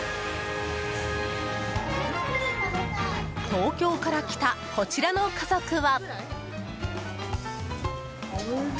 東京から来たこちらの家族は。